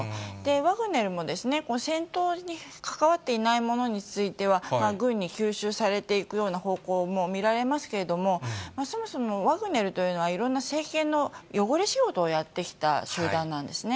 ワグネルも戦闘に関わっていない者については、軍に吸収されていくような方向も見られますけれども、そもそもワグネルというのは、いろんな政権の汚れ仕事をやってきた集団なんですね。